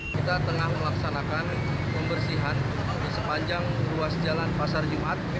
kita tengah melaksanakan pembersihan di sepanjang ruas jalan pasar jumat